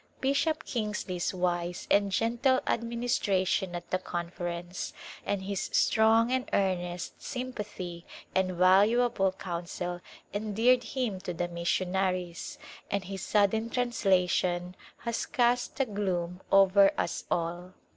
Bishop Kingsley's wise and gentle administration at the Conference, and his strong and earnest sympathy First Hot Season and valuable counsel endeared him to the missionaries, and his sudden translation has cast a gloom over us all.